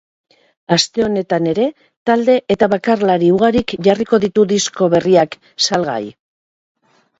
Aste honetan ere talde eta bakarlari ugarik jarriko ditu disko berriak salgai.